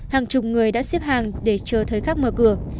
hàng chục người đã xếp hàng để chờ thời khắc mở cửa